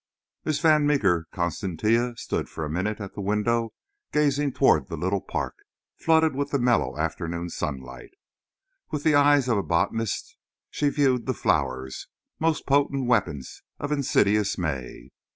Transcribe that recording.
Miss Van Meeker Constantia stood for a minute at the window gazing, toward the little park, flooded with the mellow afternoon sunlight. With the eye of a botanist she viewed the flowers—most potent weapons of insidious May.